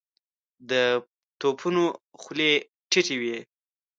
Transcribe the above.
د توپونو خولې ټيټې وې.